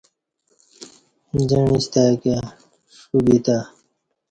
جیعستای کہ ݜو ب یتہ